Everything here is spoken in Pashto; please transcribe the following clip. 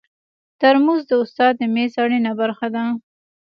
ترموز د استاد د میز اړینه برخه ده.